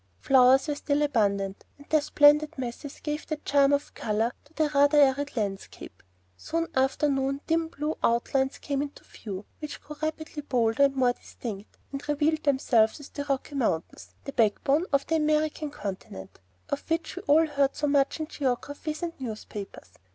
Flowers were still abundant, and their splendid masses gave the charm of color to the rather arid landscape. Soon after noon dim blue outlines came into view, which grew rapidly bolder and more distinct, and revealed themselves as the Rocky Mountains, the "backbone of the American Continent," of which we have all heard so much in geographies and the newspapers.